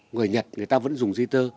người nhật người ta vẫn dùng di tơ